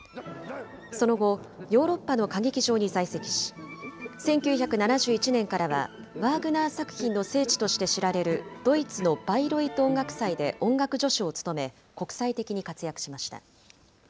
その後、ヨーロッパの歌劇場に在籍し、１９７１年からは、ワーグナー作品の聖地として知られるドイツのバイロイト音楽祭で音楽助手を務め、国際的に活躍しました。